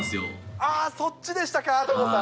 ああ、そっちでしたか、戸郷さん。